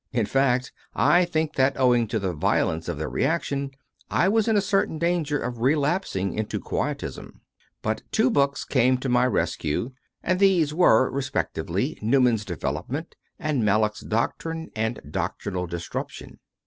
In fact, I think that, owing to the violence of the reaction, I was in a certain danger of relapsing into Quietism. But two books came to my rescue, and these CONFESSIONS OF A CONVERT 103 were respectively Newman s "Development" and Mallock s "Doctrine and Doctrinal Disruption."